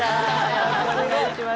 よろしくお願いします。